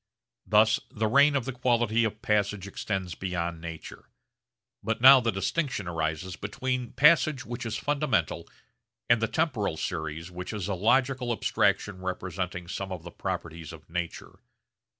Thus the reign of the quality of passage extends beyond nature. But now the distinction arises between passage which is fundamental and the temporal series which is a logical abstraction representing some of the properties of nature.